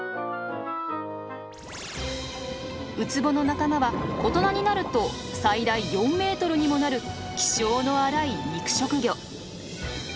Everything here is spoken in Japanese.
ウツボの仲間は大人になると最大４メートルにもなる気性の荒い肉食魚。